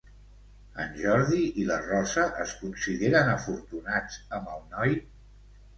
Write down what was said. En Jordi i la Rosa es consideren afortunats amb el noi?